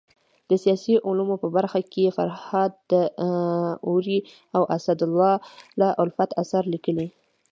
د سیاسي علومو په برخه کي فرهاد داوري او اسدالله الفت اثار ليکلي دي.